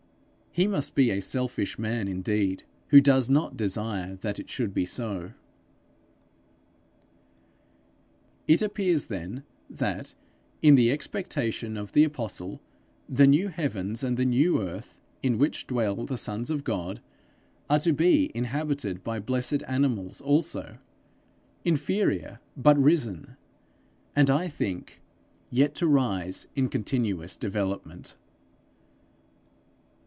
He must be a selfish man indeed who does not desire that it should be so. It appears then, that, in the expectation of the apostle, the new heavens and the new earth in which dwell the sons of God, are to be inhabited by blessed animals also inferior, but risen and I think, yet to rise in continuous development.